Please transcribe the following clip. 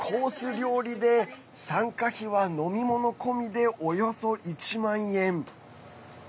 料理で参加費は飲み物込みでおよそ１万円。